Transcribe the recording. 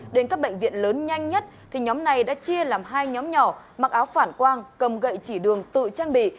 đến các bệnh viện lớn nhanh nhất thì nhóm này đã chia làm hai nhóm nhỏ mặc áo phản quang cầm gậy chỉ đường tự trang bị